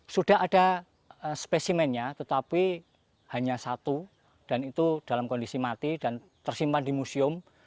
sudah ada spesimennya tetapi hanya satu dan itu dalam kondisi mati dan tersimpan di museum